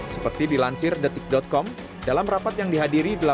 seperti dilansir detik com dalam rapat yang dihadiri